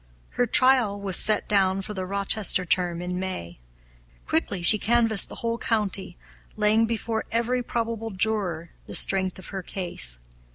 Her trial was set down for the Rochester term in May. Quickly she canvassed the whole county, laying before every probable juror the strength of her case.